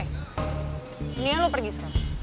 ini lo pergi sekarang